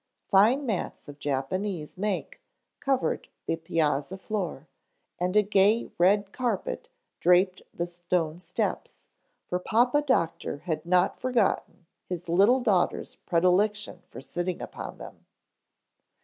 Fine mats of Japanese make covered the piazza floor and a gay red carpet draped the stone steps, for Papa Doctor had not forgotten his little daughter's predilection for sitting upon them.